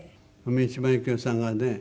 三島由紀夫さんがね